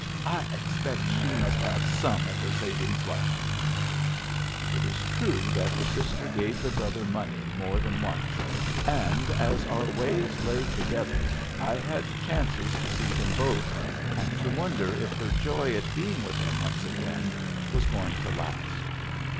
I expect she must have some of her savings left." It is true that the sister gave the brother money more than once; and as our ways lay together, I had chances to see them both, and to wonder if her joy at being with him once again was going to last.